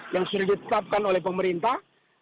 yang sudah ditetapkan oleh pemerintah